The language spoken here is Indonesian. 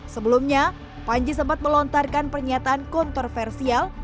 sebelumnya panji sempat melontarkan pernyataan kontroversial